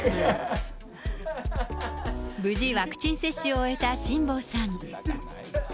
無事、ワクチン接種を終えた辛坊さん。